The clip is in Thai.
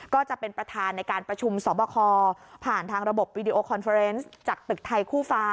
ก็จะเป็นประธานในการประชุมสอบคอผ่านทางระบบจากตึกไทยคู่ฟ้า